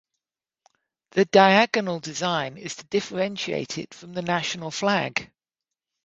The diagonal design is to differentiate it from the National flag.